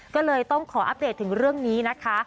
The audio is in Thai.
ก็เลยต้องขออัปเดตถึงเรื่องนี้นะคะ